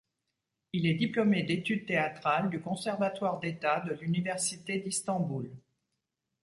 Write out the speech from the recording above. Il est diplômé d'études théâtrales du conservatoire d'état de l'université d'Istanbul.